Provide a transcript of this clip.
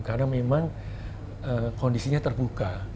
karena memang kondisinya terbuka